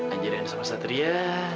ajarin sama satri ya